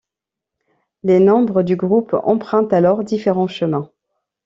Les membres du groupe emprunte alors différents chemins.